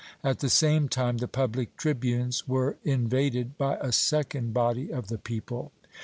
At the same time the public tribunes were invaded by a second body of the people.